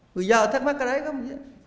người già thắc mắc cái đấy không